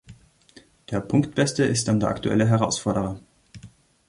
Der Punktbeste ist dann der aktuelle Herausforderer.